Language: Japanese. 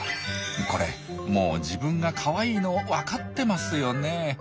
これもう自分がかわいいの分かってますよね。